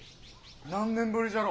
何年ぶりじゃろ。